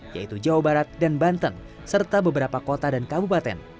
yaitu jawa barat dan banten serta beberapa kota dan kabupaten